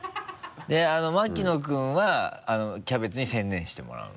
で牧野君はキャベツに専念してもらう。